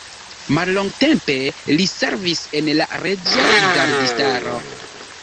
Mallongtempe li servis en la reĝa gardistaro.